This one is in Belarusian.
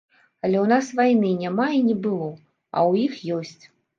Але ў нас вайны няма і не было, а ў іх ёсць.